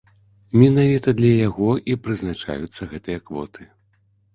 Менавіта для яго і прызначаюцца гэтыя квоты.